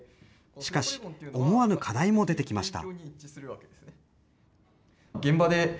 しかし、思わぬ課題も出てきました。